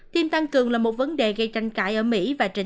tiêm tăng cường là một vấn đề gây tranh cãi ở mỹ